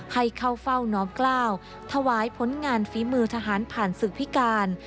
ให้เข้าเฝ้าน้อมกล้าวถวายผลงานฝีมือทหารผ่านศึกพิการ